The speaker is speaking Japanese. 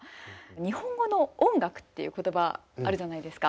日本語の音楽っていう言葉あるじゃないですか。